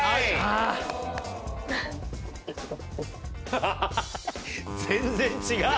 ハハハハ全然違う。